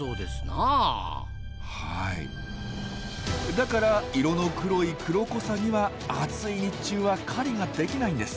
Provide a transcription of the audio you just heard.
だから色の黒いクロコサギは暑い日中は狩りができないんです。